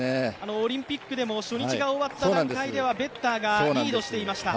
オリンピックでも初日が終わった段階ではベッターがリードしていました。